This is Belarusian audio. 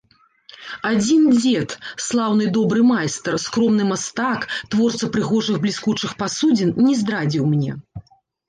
Адзін дзед, слаўны добры майстар, скромны мастак, творца прыгожых бліскучых пасудзін, не здрадзіў мне.